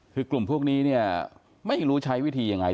คือกลุ่มพวกนี้เนี่ยไม่รู้ใช้วิธียังไง